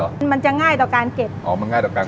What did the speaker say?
แล้วก็น้ำมัน